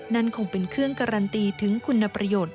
นั่นคงเป็นเครื่องการันตีถึงคุณประโยชน์